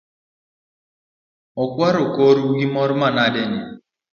Ukwakoru gi mor manade ni ?